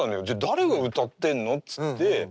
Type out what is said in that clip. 誰が歌ってんのっつって。